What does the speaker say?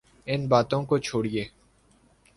ان باتوں کو چھوڑئیے۔